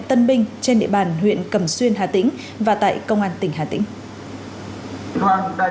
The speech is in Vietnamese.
tân binh trên địa bàn huyện cẩm xuyên hà tĩnh và tại công an tỉnh hà tĩnh